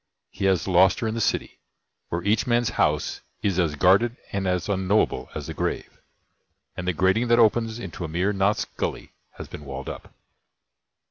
He has lost her in the City, where each man's house is as guarded and as unknowable as the grave; and the grating that opens into Amir Nath's Gully has been walled up.